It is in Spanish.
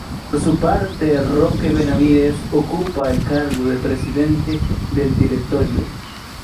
Por su parte, Roque Benavides ocupa el cargo de Presidente del Directorio.